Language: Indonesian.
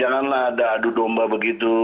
janganlah ada adu domba begitu